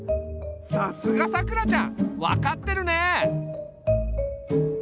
さすがさくらちゃん分かってるねえ！